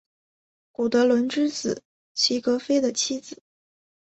古德伦之子齐格菲的妻子。